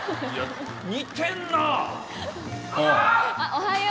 おはよう。